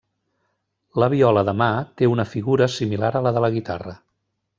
La viola de mà té una figura similar a la de la guitarra.